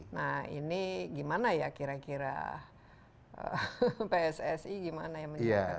nah ini gimana ya kira kira pssi gimana ya menurut anda